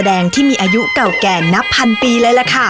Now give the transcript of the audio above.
คุณผู้ชมอยู่กับดิฉันใบตองราชนุกูลที่จังหวัดสงคลาค่ะ